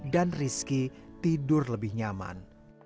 dan rizky tidur lebih nyaman